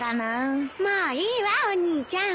もういいわお兄ちゃん。